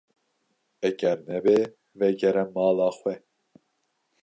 Eger nebe vegere mala xwe.